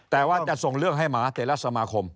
แต่ว่าจะส่งเรื่องให้มาเตรียรัฐสมาคม